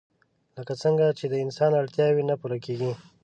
لکه څنګه چې د انسان اړتياوې نه پوره کيږي